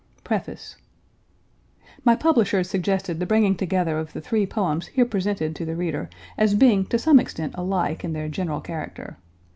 Preface My publishers suggested the bringing together of the three poems here presented to the reader as being to some extent alike in their general character.